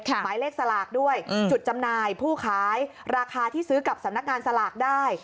หมายเลขสลากด้วยจุดจำหน่ายผู้ขายราคาที่ซื้อกับสำนักงานสลากได้